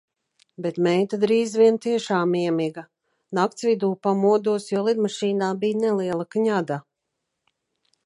Bet meita drīz vien tiešām iemiga. Nakts vidū pamodos, jo lidmašīnā bija neliela kņada.